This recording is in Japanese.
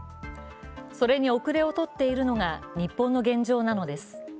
それに遅れを取っているのが日本の現状なのです。